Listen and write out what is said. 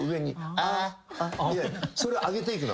「あ」いやそれを上げていくの。